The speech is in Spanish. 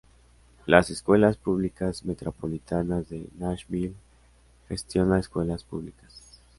Las Escuelas Públicas Metropolitanas de Nashville gestiona escuelas públicas.